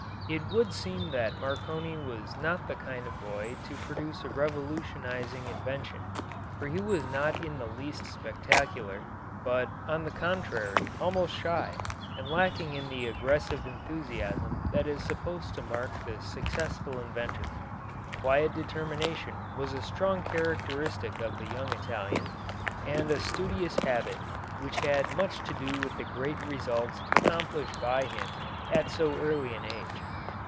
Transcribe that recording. It would seem that Marconi was not the kind of boy to produce a revolutionising invention, for he was not in the least spectacular, but, on the contrary, almost shy, and lacking in the aggressive enthusiasm that is supposed to mark the successful inventor; quiet determination was a strong characteristic of the young Italian, and a studious habit which had much to do with the great results accomplished by him at so early an age.